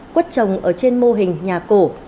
quất trồng ở trên mô hình nhà cổ